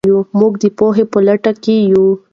موږ د پوهې په لټه کې یو.